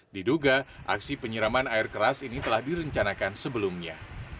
diduga aksi penyiraman air keras ini telah direncanakan sebelumnya